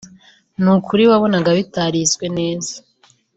ni ukuri wabonaga bitarizwe neza